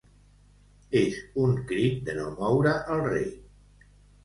És un crit de no moure el rei.